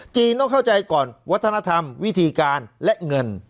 ต้องเข้าใจก่อนวัฒนธรรมวิธีการและเงิน